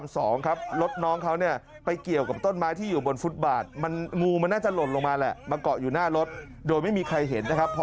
เสียงดังอันบึ้น